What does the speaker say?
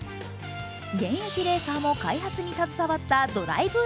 現役レーサーも開発に携わったＤＲｉＶｅ−Ｘ。